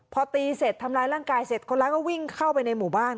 พอตีเสร็จทำร้ายร่างกายเสร็จคนร้ายก็วิ่งเข้าไปในหมู่บ้าน